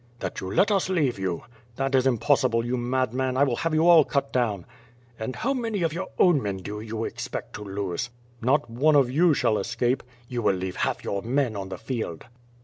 '' "That you let us leave you." "That is impossible, you madman! I will have you all cut down." "And how many of your o^n men do you expect to lose?" "Not one of you shall escape." "You will leave half your men on the field."